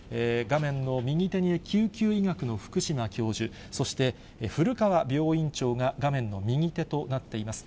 画面の右手に救急医学の福島教授、そして吉川病院長が画面の左側となっています。